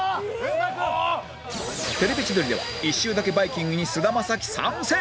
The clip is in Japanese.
『テレビ千鳥』では一周だけバイキング！！に菅田将暉参戦！